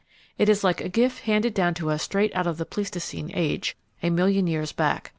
It is like a gift handed down to us straight out of the Pleistocene age, a million years back.